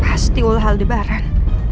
pasti ulah haldebaran